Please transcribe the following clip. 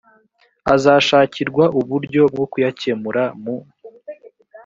azashakirwa uburyo bwo kuyakemura mu